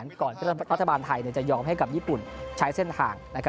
ก่อนที่รัฐบาลไทยจะยอมให้กับญี่ปุ่นใช้เส้นทาง